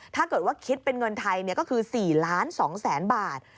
ถ้าเกิดว่าคิดเป็นเงินไทยก็คือ๔๒๐๐๐๐บาท